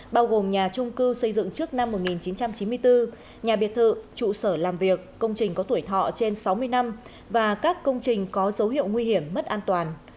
bao gồm nhà trung cư xây dựng trước năm một nghìn chín trăm chín mươi bốn nhà biệt thự trụ sở làm việc công trình có tuổi thọ trên sáu mươi năm và các công trình có dấu hiệu nguy hiểm mất an toàn